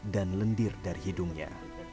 dan lendir dari hidungnya